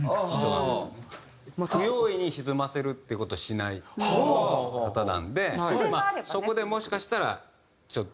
不用意に歪ませるっていう事をしない方なんでそこでもしかしたらちょっと。